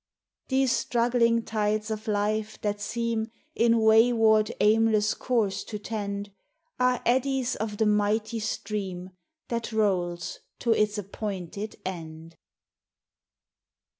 These struggling tides of life, that seem In wayward, aimless course to tend, Are eddies of the mighty stream That rolls to its appointed end.